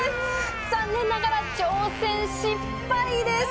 残念ながら挑戦失敗です。